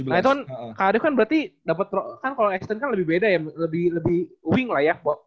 nah itu kan kak arief kan berarti dapat kan kalau extent kan lebih beda ya lebih wing lah ya